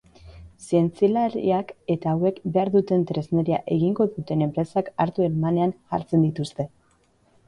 Zientzilariak eta hauek behar duten tresneria egingo duten enpresak hartu emanean jartzen dituzte.